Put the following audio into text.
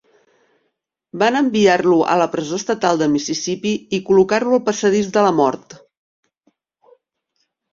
Van enviar-lo a la presó estatal de Mississippi i col·locar-lo al passadís de la mort.